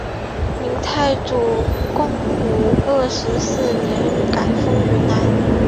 明太祖洪武二十四年改封云南。